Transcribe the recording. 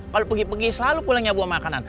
kalau pergi pergi selalu pulangnya buah makanan